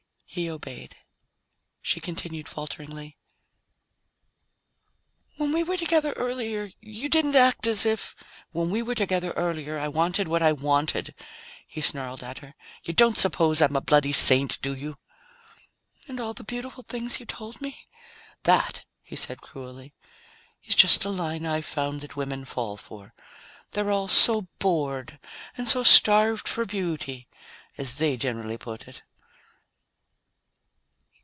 He obeyed. She continued falteringly, "When we were together earlier, you didn't act as if ..." "When we were together earlier, I wanted what I wanted," he snarled at her. "You don't suppose I'm a bloody saint, do you?" "And all the beautiful things you told me?" "That," he said cruelly, "is just a line I've found that women fall for. They're all so bored and so starved for beauty as they generally put it."